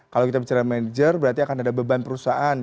kalau kita bicara manajer berarti akan ada beban perusahaan